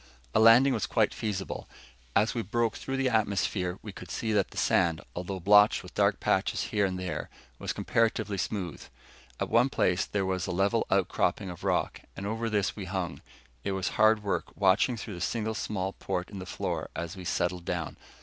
A landing was quite feasible. As we broke through the atmosphere, we could see that the sand, although blotched with dark patches here and there, was comparatively smooth. At one place there was a level outcropping of rock, and over this we hung. It was hard work, watching through the single small port in the floor as we settled down.